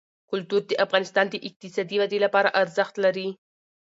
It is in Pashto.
کلتور د افغانستان د اقتصادي ودې لپاره ارزښت لري.